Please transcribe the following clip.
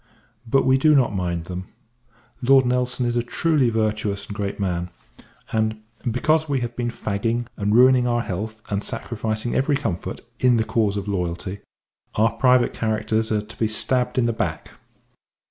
But we do not mind them. Lord N. is a truly virtuous and great man; and, because we have been fagging, and ruining our health, and sacrificing every comfort, in the cause of loyalty, our private characters are to be stabbed in the dark.